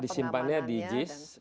disimpannya di jis